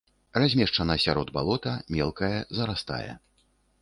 Размешчана сярод балота, мелкае, зарастае.